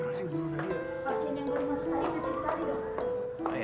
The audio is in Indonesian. pasien yang gue dimasukin tadi nanti sekali dok